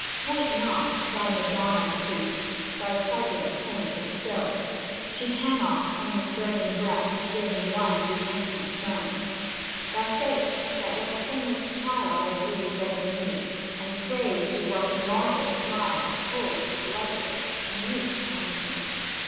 Point not to thy Madonna, Priest, Thy sightless saint of stone; She cannot, from this burning breast, Wring one repentant moan. Thou say'st, that when a sinless child, I duly bent the knee, And prayed to what in marble smiled Cold, lifeless, mute, on me.